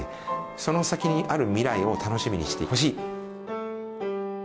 その先にあるミライを楽しみにしてほしい。